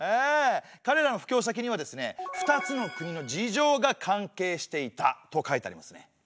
かれらの布教先にはですね２つの国の事情が関係していたと書いてありますね。